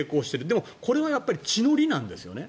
でもこれはやっぱり地の利なんですよね。